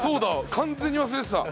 完全に忘れてた！